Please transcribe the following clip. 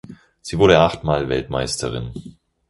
Sie wurde acht Mal Weltmeisterin.